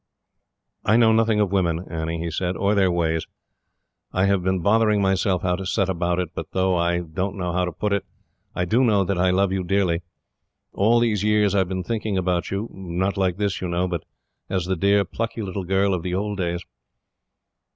"I know nothing of women, Annie," he said, "or their ways. I have been bothering myself how to set about it, but though I don't know how to put it, I do know that I love you dearly. All these years I have been thinking about you not like this, you know, but as the dear, plucky little girl of the old days."